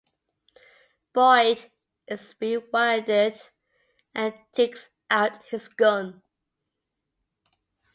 Boyd is bewildered and takes out his gun.